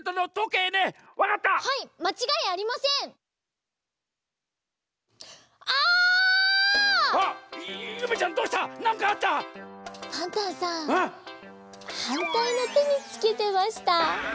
はんたいのてにつけてました。